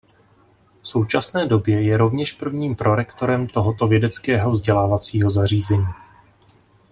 V současné době je rovněž prvním prorektorem tohoto vědeckého vzdělávacího zařízení.